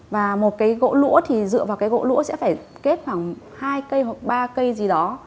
và một cái gỗ lũa thì dựa vào cái gỗ lũa sẽ phải kết khoảng hai cây hoặc ba cây gì đó